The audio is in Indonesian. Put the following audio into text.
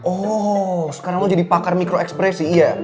oh sekarang mau jadi pakar mikro ekspresi iya